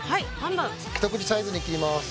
一口サイズに切ります。